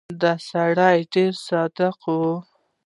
دا سړی ډېر صادق و.